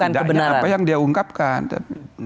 tidaknya apa yang dia ungkapkan